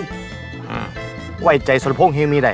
อืมไว้ใจสนพงฮีวมีใด